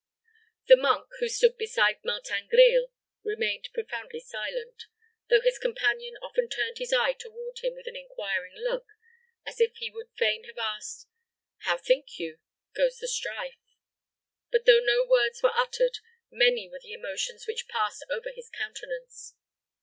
The monk, who stood beside Martin Grille, remained profoundly silent, though his companion often turned his eye toward him with an inquiring look, as if he would fain have asked, "How, think you, goes the strife?" But, though no words were uttered, many were the emotions which passed over his countenance.